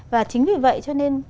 và chính vì vậy cho nên